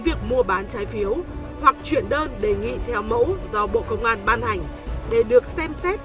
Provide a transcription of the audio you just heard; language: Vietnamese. việc mua bán trái phiếu hoặc chuyển đơn đề nghị theo mẫu do bộ công an ban hành để được xem xét